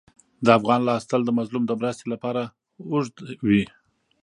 د افغان لاس تل د مظلوم د مرستې لپاره اوږد وي.